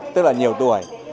tức là nhiều tuổi